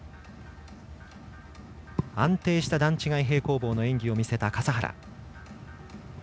安定した段違い平行棒の演技を見せた笠原。